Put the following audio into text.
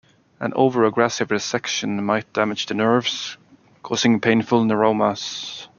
An over-aggressive resection might damage the nerves, causing painful neuromas.